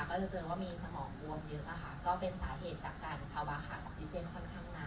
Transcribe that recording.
ก็จะเจอว่ามีสมองบวมเยอะค่ะก็เป็นสาเหตุจากการภาวะขาดออกซิเจนค่อนข้างนาน